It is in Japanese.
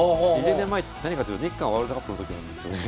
２０年前って何かというと日韓ワールドカップの時なんですよね。